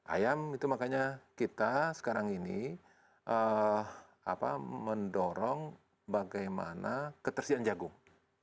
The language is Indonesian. ayam itu makanya kita sekarang ini mendorong bagaimana ketersediaan jagung